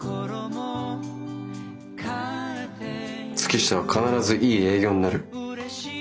月下は必ずいい営業になる。